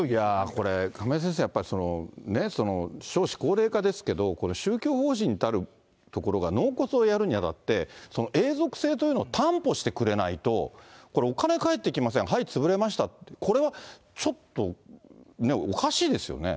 これ、亀井先生、少子高齢化ですけど、これ、宗教法人たるところが、納骨堂をやるにあたって、永続性というのを担保してくれないと、これ、お金返ってきません、はい、潰れました、これはちょっとね、おかおかしいですよね。